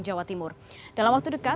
jawa timur dalam waktu dekat